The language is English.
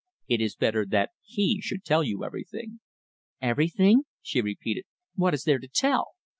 "It is better that he should tell you everything." "Everything?" she repeated. "What is there to tell.